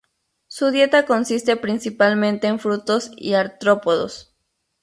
Su dieta consiste principalmente en frutos y artrópodos.